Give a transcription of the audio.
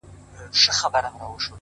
پرمختګ د جرئت او ثبات اولاد دی،